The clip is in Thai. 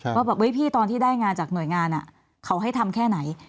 ว่าแบบพี่ตอนที่ได้งานจากหน่วยงานเขาให้ทำแค่ไหน